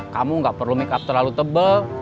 kamu gak perlu make up terlalu tebal